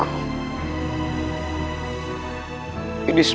masa seperti ini